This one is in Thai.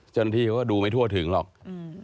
จนที่เขาก็ดูไม่พรวมทัวร์ถึงหรอกอืม